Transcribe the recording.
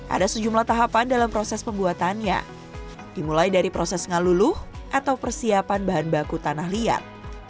ada sejumlah tahapan dalam proses pembuatannya dimulai dari proses ngaluluh atau persiapan bahan baku tanah liat